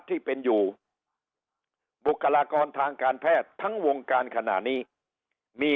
ที่เป็นอยู่บุคลากรทางการแพทย์ทั้งวงการขณะนี้มี